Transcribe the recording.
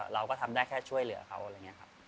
เราก็ทำได้แค่ช่วยเหลือเขา